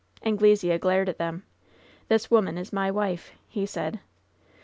Anglesea glared at them. "This woman is my wife !'' he said.